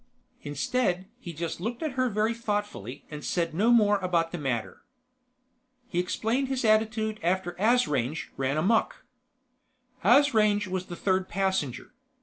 Instead, he just looked at her very thoughtfully and said no more about the matter. He explained his attitude after Asrange ran amuck. Asrange was the third passenger.